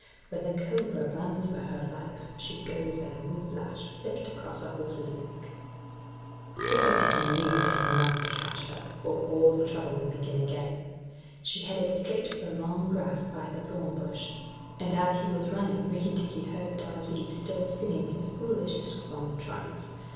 When the cobra runs for her life, she goes like a whip lash flicked across a horse's neck. Rikki tikki knew that he must catch her, or all the trouble would begin again. She headed straight for the long grass by the thorn bush, and as he was running Rikki tikki heard Darzee still singing his foolish little song of triumph.